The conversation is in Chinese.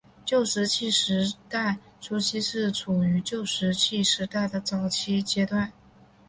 旧石器时代初期是处于旧石器时代的早期阶段。